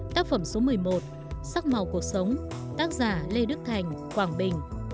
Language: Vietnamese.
tác phẩm số một mươi một sắc màu cuộc sống tác giả lê đức thành quảng bình